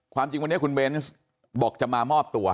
จริงวันนี้คุณเบนส์บอกจะมามอบตัว